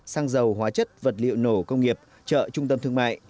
xăng dầu hóa chất vật liệu nổ công nghiệp chợ trung tâm thương mại